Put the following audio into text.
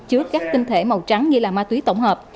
trước các tinh thể màu trắng như là ma túy tổng hợp